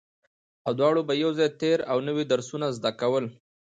او دواړو به يو ځای تېر او نوي درسونه زده کول